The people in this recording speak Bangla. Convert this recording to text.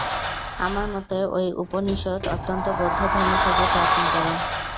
আমার মতে ঐ উপনিষদ অন্তত বৌদ্ধধর্ম থেকে প্রাচীনতর।